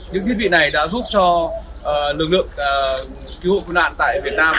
những thiết bị này đã giúp cho lực lượng cứu hộ nạn hộ tại việt nam